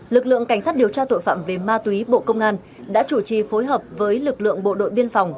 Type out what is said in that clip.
lực lượng cảnh sát điều tra tội phạm về ma túy bộ công an đã chủ trì phối hợp với lực lượng bộ đội biên phòng